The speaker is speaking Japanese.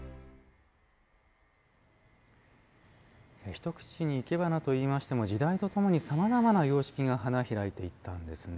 一口にいけばなといいましても時代とともにさまざまな様式が花開いていったんですね。